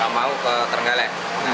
mau ke terenggalek